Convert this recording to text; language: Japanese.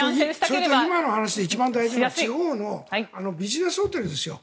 今の話で一番大事なのは地方のビジネスホテルですよ。